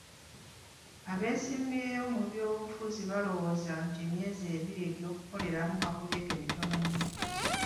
Abeesimbyewo mu by'obufuzi balowooza nti emyezi ebiri egy'okukoleramu kakuyege mitono nnyo.